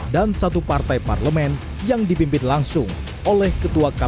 dan satu partai parlemen yang dipimpin langsung oleh ketua kpu hashim asyari